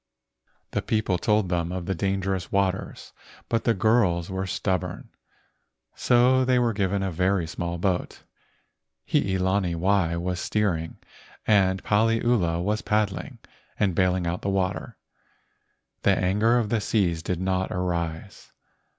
The people told them of the dangerous waters, but the girls were stub¬ born, so they were given a very small boat. Hii lani wai was steering, and Paliula was pad¬ dling and bailing out the water. The anger of the seas did not arise.